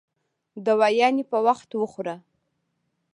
دوايانې په وخت خوره